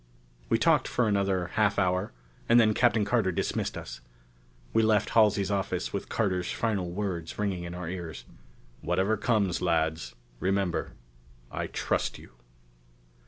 We talked for another half hour, and then Captain Carter dismissed us. We left Halsey's office with Carter's final words ringing in our ears. "Whatever comes, lads, remember I trust you...."